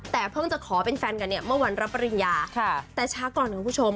แต่เพิ่งจะขอเป็นแฟนกันเนี่ยเมื่อวันรับปริญญาแต่ช้าก่อนคุณผู้ชม